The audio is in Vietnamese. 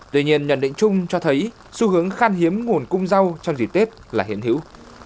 tuy nhiên nhận định chung cho thấy xu hướng khan hiếm nguồn cung rau trong dịp tết là hiện hữu